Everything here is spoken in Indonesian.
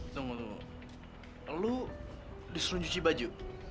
tunggu tunggu lu disuruh cuci baju